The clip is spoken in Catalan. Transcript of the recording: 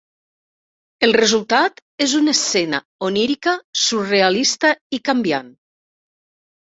El resultat és una escena onírica surrealista i canviant.